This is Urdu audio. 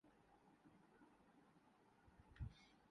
اورجس کے پیچھے ماسکو یونیورسٹی ہے۔